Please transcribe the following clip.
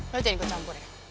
lo jangan ikut campur ya